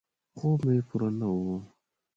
خوب مې پوره نه و.